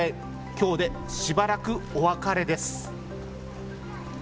きょうでしばらくお別れです。